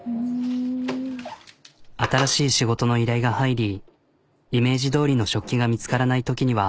新しい仕事の依頼が入りイメージ通りの食器が見つからないときには。